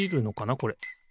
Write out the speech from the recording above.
これ。